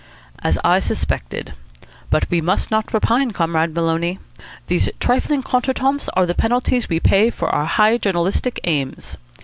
"As I suspected. But we must not repine, Comrade Maloney. These trifling contretemps are the penalties we pay for our high journalistic aims.